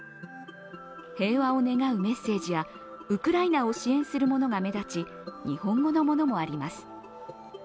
平和を願うメッセージやウクライナを支援するものが目立ち日本語のものもあります。